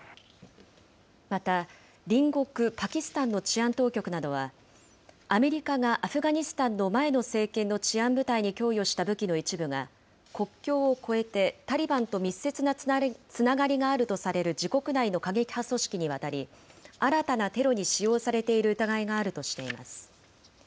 また、隣国パキスタンの治安当局などは、アメリカがアフガニスタンの前の政権の治安部隊に供与した武器の一部が、国境を越えてタリバンと密接なつながりがあるとされる自国内の過激派組織に渡り、新たなテロに使用されている疑いがあるとしています。